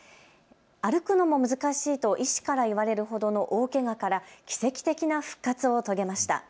歩くのも難しいと医師から言われるほどの大けがから奇跡的な復活を遂げました。